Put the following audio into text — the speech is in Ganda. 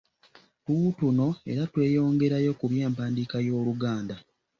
Tuutuno era tweyongerayo ku by’empandiika y’Oluganda.